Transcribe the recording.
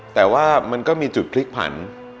แต่ว่ามันก็มีจุดพลิกผัน